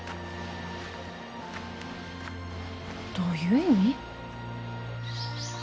どういう意味？